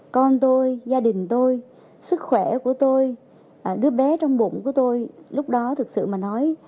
con tôi gia đình tôi sức khỏe của tôi đứa bé trong bụng của tôi lúc đó thực sự mà nói